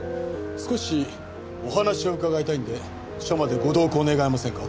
少しお話を伺いたいので署までご同行願えませんか？